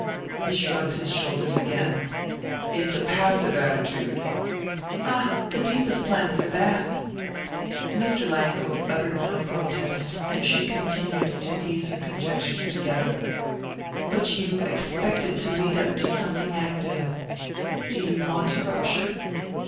He shrugged his shoulders again. "It's a passive attitude " "Ah, the deepest plans are that!" Mr. Langhope uttered no protest, and she continued to piece her conjectures together. "But you expect it to lead up to something active. Do you want a rupture?"